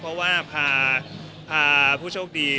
เพราะว่าพาผู้โชคดี